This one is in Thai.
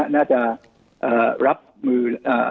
น่าจะรับมือ